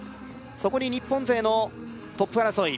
そこに日本勢のトップ争い